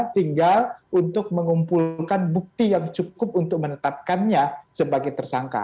tinggal untuk mengumpulkan bukti yang cukup untuk menetapkannya sebagai tersangka